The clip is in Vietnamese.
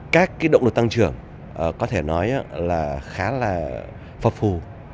các động lực tăng trưởng có thể nói là khá là phù